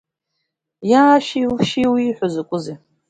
Иашәииу, шәииу, ииҳәо закәызеи!